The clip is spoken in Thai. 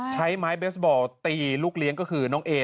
ใช้ไม้เบสบอลตีลูกเลี้ยงก็คือน้องเอ